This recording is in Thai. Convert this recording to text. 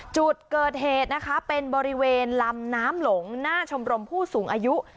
จุดเกิดเหตุนะคะเป็นบริเวณลำน้ำหลงหน้าชมรมผู้สูงอายุ